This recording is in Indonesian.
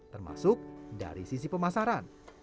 termasuk dari sisi pemasaran